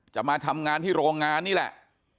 จะมาทำงานที่โรงงานนี่แหละ